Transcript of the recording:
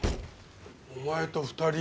お前と２人？